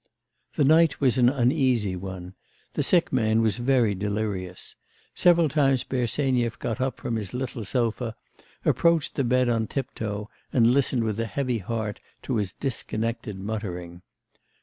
The night was an uneasy one. The sick man was very delirious. Several times Bersenyev got up from his little sofa, approached the bed on tip toe, and listened with a heavy heart to his disconnected muttering.